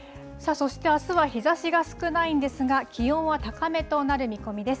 そしてあすは日ざしが少ないんですが、気温は高めとなる見込みです。